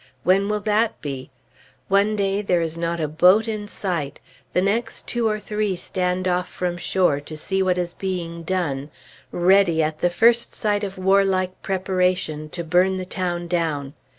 When will that be? One day there is not a boat in sight; the next, two or three stand off from shore to see what is being done, ready, at the first sight of warlike preparation, to burn the town down.